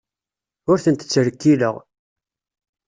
Ur tent-ttrekkileɣ.